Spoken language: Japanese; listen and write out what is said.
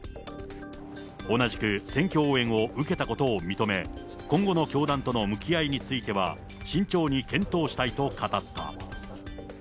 同じく選挙応援を受けたことを認め、今後の教団との向き合いについては、慎重に検討したいと語った。